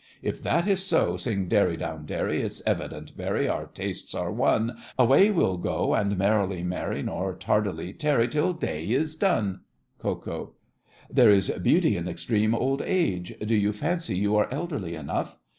If that is so, Sing derry down derry! It's evident, very, Our tastes are one. Away we'll go, And merrily marry, Nor tardily tarry Till day is done! KO. There is beauty in extreme old age— Do you fancy you are elderly enough?